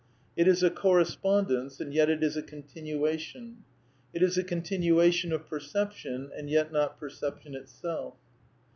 (Page 260.) It is a "corre spondence " and yet it is a " continuation." It is a con tinuation of perception and yet not perception itself.